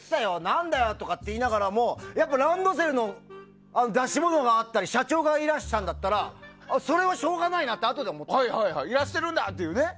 何だよとかって言いながらもランドセルの出し物があったり社長がいらっしゃったんだったらそれはしょうがないなっていらしてるんだってね。